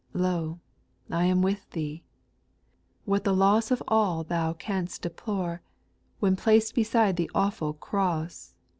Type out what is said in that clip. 3. " Lo ! I am with thee ;"— What the loss Of all thou can'st deplore, When placed beside the awful cross.